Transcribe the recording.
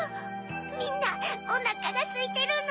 みんなおなかがすいてるのに。